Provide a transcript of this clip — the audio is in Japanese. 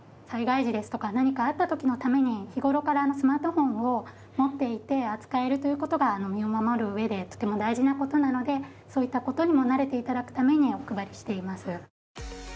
災害時ですとか何かあった時のために日頃からスマートフォンを持っていて扱えるという事が身を守る上でとても大事な事なのでそういった事にも慣れて頂くためにお配りしています。